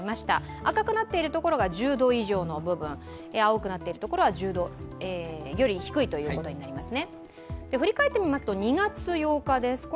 赤くなっている所が１０度以上の部分、青くなっている所は１０度より低いということになりますね。